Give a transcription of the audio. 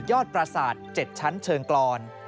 ยอดปราสาท๗ชั้นเชิงกลอน